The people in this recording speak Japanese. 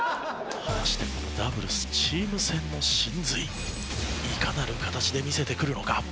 果たしてダブルスチーム戦の神髄いかなる形で見せてくるのか？